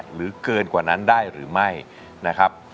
เกินกว่านั้นได้หรือไม่นะครับ